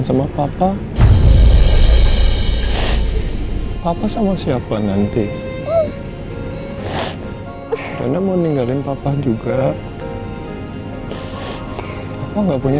sampai jumpa di video selanjutnya